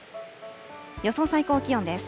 予想最高気温です。